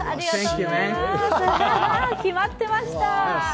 決まってましたー。